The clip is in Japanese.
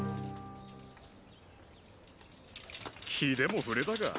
気でもふれたか？